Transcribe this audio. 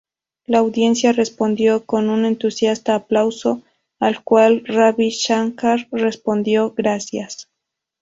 La audiencia respondió con un entusiasta aplauso, al cual Ravi Shankar respondió: "Gracias.